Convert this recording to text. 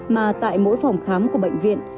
mà tại mỗi phòng khám của bệnh viện